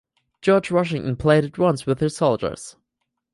George Washington played it once with his soldiers.